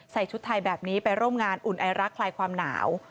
ชุดไทยแบบนี้ไปร่วมงานอุ่นไอรักคลายความหนาว